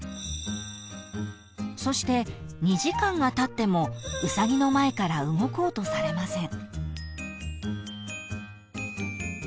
［そして２時間がたってもウサギの前から動こうとされません］